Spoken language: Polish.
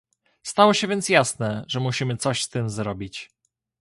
Stało się więc jasne, że musimy coś z tym zrobić